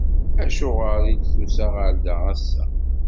Acuɣer i d-tusa ɣer da ass-a?